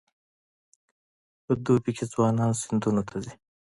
په دوبي کې ځوانان سیندونو ته ځي.